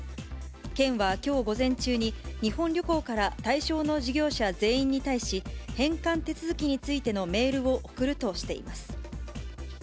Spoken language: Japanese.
県はきょう午前中に、日本旅行から対象の事業者全員に対し、返還手続きについてのメールを送るとしています。